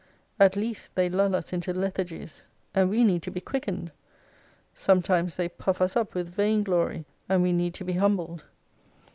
At least they lull us into lethargies : and we need to be quickened. Sometimes they puff us up with vain glory and we need to be humbled.